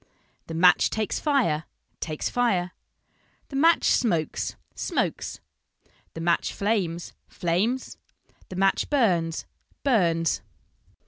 The match takes fire, takes fire. The match smokes, smokes. The match flames, flames. The match burns, burns.